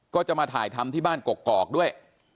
ก็จะมาถ่ายทำที่บ้านกกอกด้วย